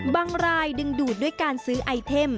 บางรายดึงดูดด้วยการซื้อไอเทม